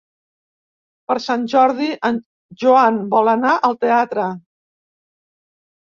Per Sant Jordi en Joan vol anar al teatre.